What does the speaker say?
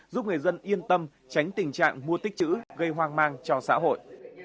giúp người dân yên tâm tránh tình trạng mua tích chữ gây hoang mang cho xã hội